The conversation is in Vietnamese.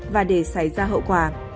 và để xảy ra hậu quả